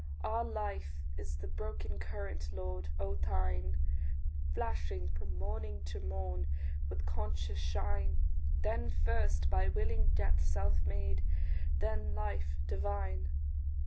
Our life is the broken current, Lord, of thine, Flashing from morn to morn with conscious shine Then first by willing death self made, then life divine.